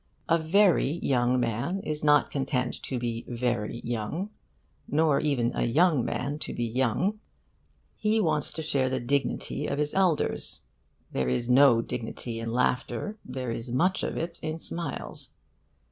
A very young man is not content to be very young, nor even a young man to be young: he wants to share the dignity of his elders. There is no dignity in laughter, there is much of it in smiles.